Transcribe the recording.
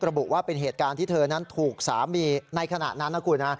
ระบุว่าเป็นเหตุการณ์ที่เธอนั้นถูกสามีในขณะนั้นนะคุณ